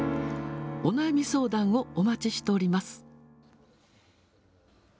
お悩み相談をお待ちしております。